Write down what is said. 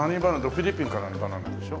フィリピンからのバナナでしょ？